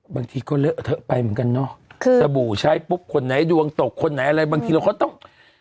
บางทีก็เลอะเทอะไปเหมือนกันเนาะคือสบู่ใช้ปุ๊บคนไหนดวงตกคนไหนอะไรบางทีเราก็ต้อง